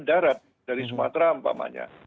darat dari sumatera ampamanya